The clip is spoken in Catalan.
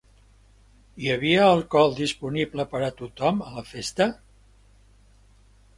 Hi havia alcohol disponible per a tothom a la festa?